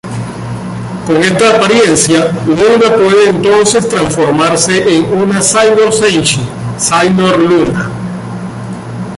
Con esta apariencia, Luna puede entonces transformarse en una Sailor Senshi, "Sailor Luna".